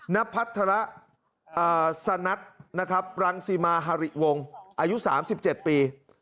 นพัฒระสนัทนะครับรังสิมาฮาริวงศ์อายุ๓๗ปี